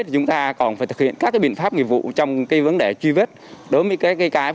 chúng ta còn phải thực hiện các biện pháp nghiệp vụ trong vấn đề truy vết đối với các